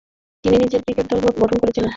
তিনি নিজের ক্রিকেট দল গঠন করেছিলেন।